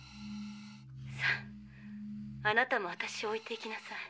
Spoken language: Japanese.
さああなたも私を置いていきなさい。